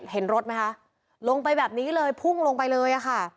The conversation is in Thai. เห็นรถไหมคะลงไปแบบนี้เลยพุ่งลงไปเลยค่ะ